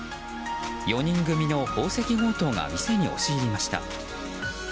４人組の宝石強盗が店に押し入りました。